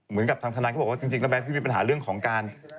เหมือกับทางทางก็บอกว่าจริงจริงและแมมพี่มีปัญหาเรื่องของการ